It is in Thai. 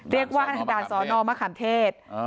เรียกว่าด่านสอนอมะขามเทศ